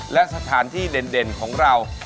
และสถานที่เด่นของเรา